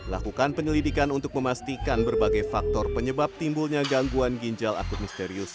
lakukan penyelidikan untuk memastikan berbagai faktor penyebab timbulnya gangguan ginjal akut misterius